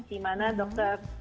di mana dokter